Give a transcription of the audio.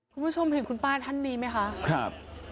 คุณผู้ชมเห็นคุณป้าท่านนี้ไหมคะครับ